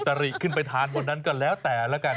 ริขึ้นไปทานบนนั้นก็แล้วแต่ละกัน